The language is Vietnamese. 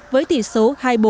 với tỷ số hai mươi bốn